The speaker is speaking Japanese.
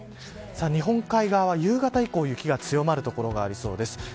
日本海側は夕方以降雪が強まる所がありそうです。